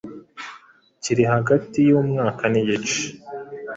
kiri hagati y’umwaka n’igice